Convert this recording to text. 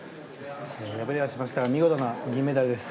敗れはしましたが見事な銀メダルです。